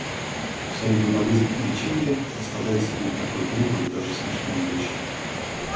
Вся ее болезнь и леченье представлялись ей такою глупою, даже смешною вещью!